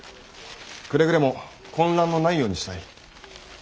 くれぐれも混乱のないようにしたい。